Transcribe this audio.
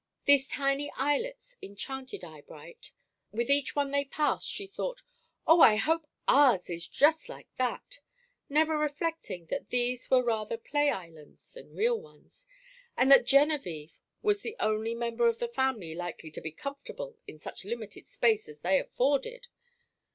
These tiny islets enchanted Eyebright. With each one they passed she thought, "Oh, I hope ours is just like that!" never reflecting that these were rather play islands than real ones, and that Genevieve was the only member of the family likely to be comfortable in such limited space as they afforded.